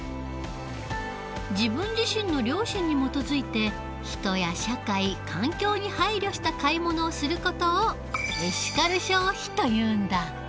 自分自身の良心に基づいて人や社会環境に配慮した買い物をする事をエシカル消費というんだ。